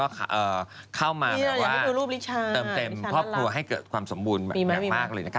เข้ามาเพราะว่าเติมเต็มครอบครัวให้เกิดความสมบูรณ์มากเลยนะคะ